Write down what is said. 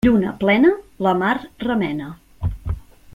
Lluna plena la mar remena.